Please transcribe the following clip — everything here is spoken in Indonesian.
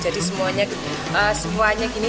jadi semuanya gini semuanya gini